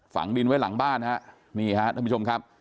ฝังดินไว้หลังบ้านฮะนี่ฮะท่านผู้ชมครับ